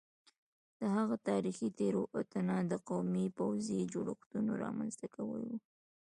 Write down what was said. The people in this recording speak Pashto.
د هغه تاریخي تېروتنه د قومي پوځي جوړښتونو رامنځته کول وو